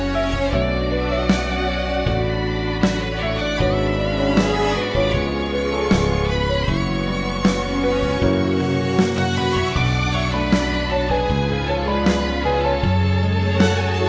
saya langsung berangkat ya